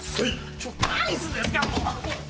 ちょっと何すんですかもう。